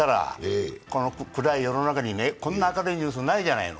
暗い世の中にこんな明るいニュースないじゃないの。